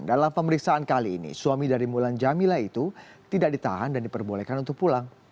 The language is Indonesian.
dalam pemeriksaan kali ini suami dari mulan jamila itu tidak ditahan dan diperbolehkan untuk pulang